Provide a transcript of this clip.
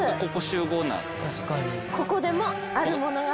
ここでも。